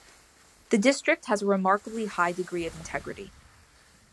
The district has a remarkably high degree of integrity.